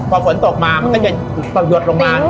พอฝนตกมามันก็จะหยดลงมา